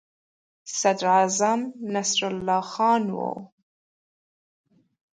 صدراعظم نصرالله خان وو.